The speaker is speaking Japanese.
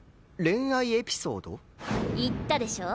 言ったでしょ？